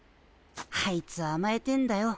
あいつあまえてんだよ。